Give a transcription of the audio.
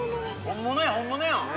◆本物やん、本物やん。